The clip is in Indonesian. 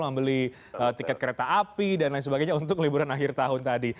membeli tiket kereta api dan lain sebagainya untuk liburan akhir tahun tadi